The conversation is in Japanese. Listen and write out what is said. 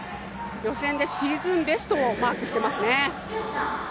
予選でシーズンベストをマークしていますね。